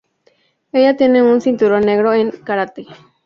Ella tiene un cinturón negro en karate.